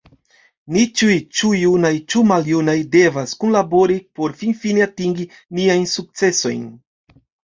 Ni ĉiuj, ĉu junaj ĉu maljunaj, devas kunlabori por finfine atingi niajn sukcesojn.